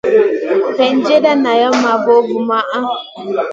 Weerdjenda nalam maʼa vovuma.